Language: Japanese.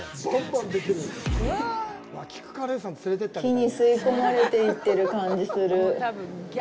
木に吸い込まれていってる感じする。